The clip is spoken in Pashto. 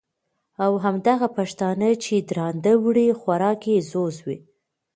او همدغه پښتانه، چې درانده وړي خوراک یې ځوز وي،